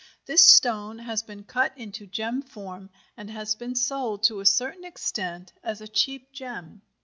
This stone has been cut into gem form and has been sold to a certain extent as a cheap gem.